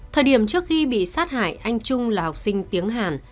thời điểm trước khi bị sát hại anh trung là học sinh tiếng hàn